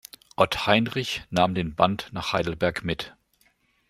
Ottheinrich nahm den Band nach Heidelberg mit.